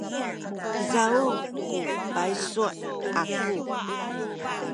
izaw ku paysu aku.